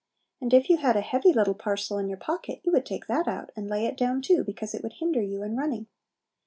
And if you had a heavy little parcel in your pocket, you would take that out, and lay it down too, because it would hinder you in running.